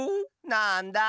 なんだ。